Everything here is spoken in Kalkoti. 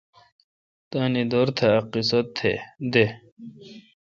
تاننی دور تہ۔ ا قیصہ دہ۔